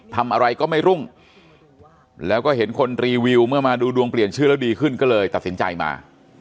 ทำอะไรก็ไม่รุ่งแล้วก็เห็นคนรีวิวเมื่อมาดูดวงเปลี่ยนชื่อแล้วดีขึ้นก็เลยตัดสินใจมา